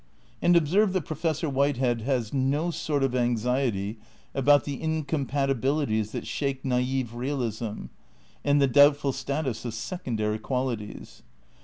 And observe that Professor "Whitehead has no sort of anxiety about the incompati bilities that shake naif realism, and the doubtful status of secondary qualities.